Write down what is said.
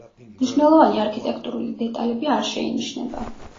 მნიშვნელოვანი არქიტექტურული დეტალები არ შეინიშნება.